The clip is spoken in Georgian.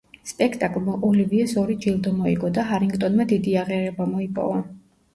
სპექტაკლმა ოლივიეს ორი ჯილდო მოიგო და ჰარინგტონმა დიდი აღიარება მოიპოვა.